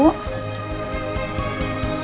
terima kasih pak